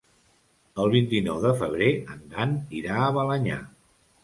El vint-i-nou de febrer en Dan irà a Balenyà.